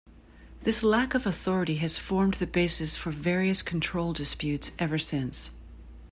This lack of authority has formed the basis for various control disputes ever since.